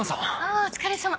あお疲れさま。